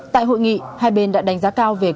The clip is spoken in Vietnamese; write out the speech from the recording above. tại hội nghị hai bên đã đánh giá cao về kết quả